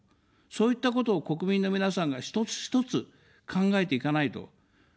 そういったことを国民の皆さんが一つ一つ考えていかないと。